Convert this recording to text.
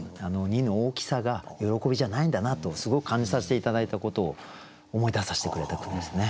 「荷」の大きさが喜びじゃないんだなとすごく感じさせて頂いたことを思い出させてくれた句ですね。